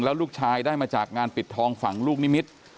แล้วลูกชายได้มาจากงานปิดทองฝั่งลูกนิมิตร